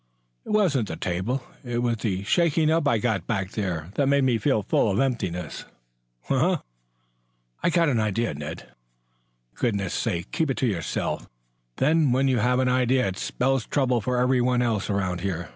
"It wasn't the table, it was the shaking up I got back there that made me feel full of emptiness." "Huh!" "I've got an idea, Ned." "For goodness' sake, keep it to yourself, then. When you have an idea it spells trouble for everybody else around you."